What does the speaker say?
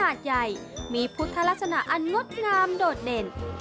แต่ละวันค่ะก็จะมีประชาชนทั้งในและนอกพื้นที่เดินทางไปสักการะพระพุทธชินราช